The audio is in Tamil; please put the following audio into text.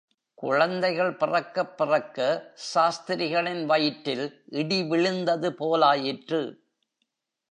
குழந்தைகள் பிறக்கப் பிறக்க சாஸ்திரிகளின் வயிற்றில் இடி விழுந்தது போலாயிற்று.